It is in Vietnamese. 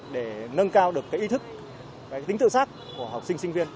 để nâng cao được ý thức tính tự giác của học sinh sinh viên